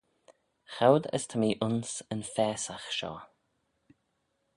Choud as ta mee ayns yn faasagh shoh.